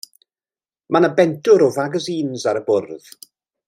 Mae 'na bentwr o fagasîns ar y bwrdd.